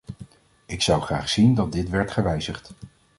Ik zou graag zien dat dit werd gewijzigd.